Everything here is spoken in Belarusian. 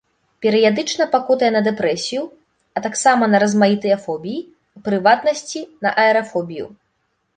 Перыядычна пакутуе на дэпрэсію, а таксама на размаітыя фобіі, у прыватнасці на аэрафобію.